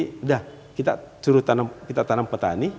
sudah kita suruh kita tanam petani